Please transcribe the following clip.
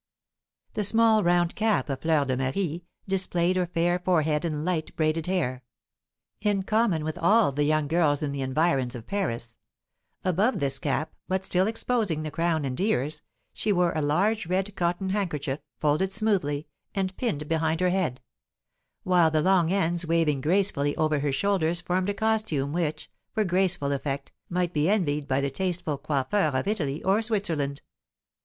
The small round cap of Fleur de Marie displayed her fair forehead and light, braided hair, in common with all the young girls in the environs of Paris; above this cap, but still exposing the crown and ears, she wore a large red cotton handkerchief, folded smoothly, and pinned behind her head; while the long ends waving gracefully over her shoulders formed a costume which, for graceful effect, might be envied by the tasteful coiffeurs of Italy or Switzerland.